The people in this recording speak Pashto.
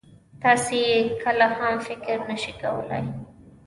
تاسې يې کله هم فکر نه شئ کولای.